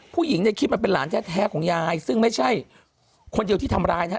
ผู้หญิงในคลิปมันเป็นหลานแท้ของยายซึ่งไม่ใช่คนเดียวที่ทำร้ายนะฮะ